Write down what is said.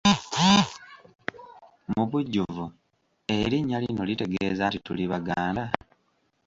Mu bujjuvu erinnya lino litegeeza nti tuli Baganda?